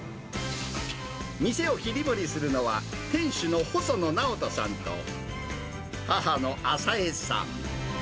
店を切り盛りするのは、店主の細野直飛さんと母のあさ江さん。